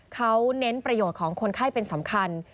เขาเน้นประโยชน์ของคนไข้เป็นสำคัญ